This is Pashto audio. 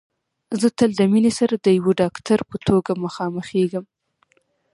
زه تل د مينې سره د يوه ډاکټر په توګه مخامخېږم